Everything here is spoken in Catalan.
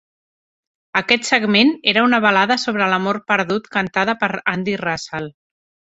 Aquest segment era una balada sobre l'amor perdut cantada per Andy Russell.